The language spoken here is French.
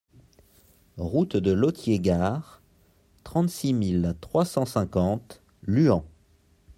Route de Lothiers Gare, trente-six mille trois cent cinquante Luant